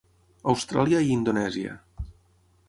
Austràlia i Indonèsia.